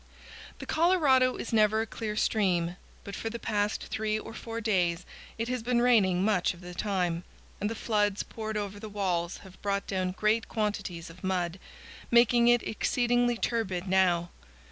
The Colorado is never a clear stream, but for the past three or four days it has been raining much of the time, and the floods poured over the walls have brought down great quantities of mud, making it exceedingly turbid now.